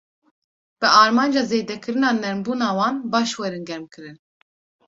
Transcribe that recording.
Bi armanca zêdekirina nermbûna wan, baş werin germkirin.